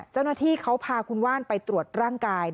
เจ้าหน้าที่เขาพาคุณว่านไปตรวจร่างกาย